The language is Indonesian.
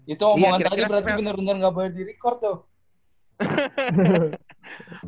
itu omongan tadi berarti bener bener nggak boleh direcord loh